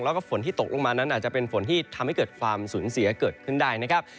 แล้วก็ฝนที่ตกลงมานั้นอาจจะเป็นฝนที่ทำให้เกิดความสูญเสียเกิดขึ้นได้นะครับ